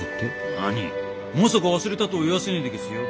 何まさか忘れたとは言わせねえでげすよ。